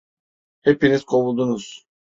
Hepiniz kovuldunuz.